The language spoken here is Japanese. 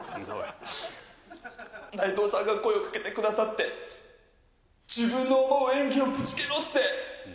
内藤さんが声をかけてくださって「自分の思う演技をぶつけろ」って。